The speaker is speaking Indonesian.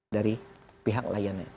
dari pihak lion air